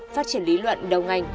phát triển lý luận đầu ngành